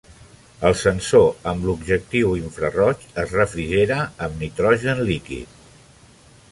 El sensor amb objectiu infraroig es refrigera amb nitrogen líquid.